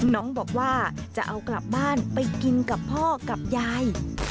น้องบอกว่าจะเอากลับบ้านไปกินกับพ่อกับยาย